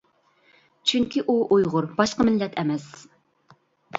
چۈنكى ئۇ ئۇيغۇر باشقا مىللەت ئەمەس!